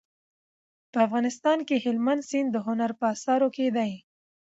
په افغانستان کې هلمند سیند د هنر په اثارو کې دی.